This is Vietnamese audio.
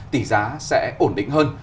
tỷ giá sẽ ổn định hơn